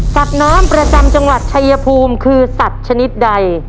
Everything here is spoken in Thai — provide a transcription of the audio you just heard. น้ำประจำจังหวัดชายภูมิคือสัตว์ชนิดใด